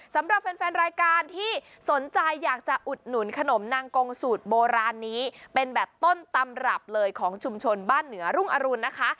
สำหรับแฟนรายการที่สนใจอยากจะอุดหนุนขนมนางกงสูตรโบราณนี้เป็นแบบต้นตำรับเลยของชุมชนบ้านเหนือรุ่งอรุณนะคะ